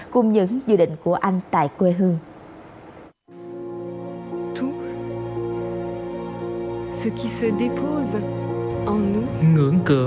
cùng những dự định của anh tại quê hương